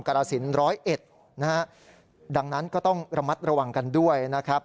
กรสินร้อยเอ็ดนะฮะดังนั้นก็ต้องระมัดระวังกันด้วยนะครับ